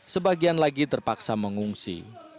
sebagian lagi terpaksa mengungsi